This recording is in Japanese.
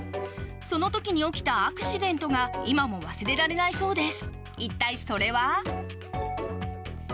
その時に起きたアクシデントが今も忘れられないそうです。